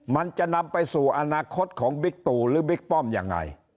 มันจะนำไปสู่อนาคตของบิ๊กตู่หรือบิ๊กป้อมยังไง